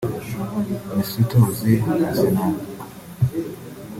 Mesut Ozil (Arsenal)